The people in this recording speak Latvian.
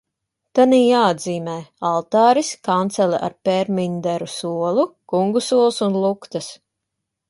Tanī jāatzīmē: altāris, kancele ar pērminderu solu, kungu sols un luktas.